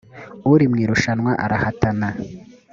uri mu irushanwa arahatana